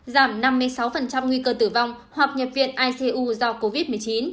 giảm năm mươi sáu nguy cơ tử vong hoặc nhập viện icu do covid một mươi chín